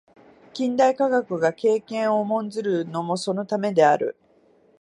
近代科学が経験を重んずるのもそのためである。